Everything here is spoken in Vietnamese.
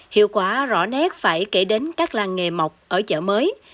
hiệu quả rõ nét phải kể đến các làng nghề mọc ở chợ mới